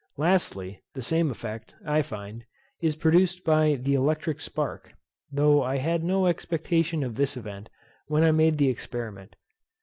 Lastly, the same effect, I find, is produced by the electric spark, though I had no expectation of this event when I made the experiment.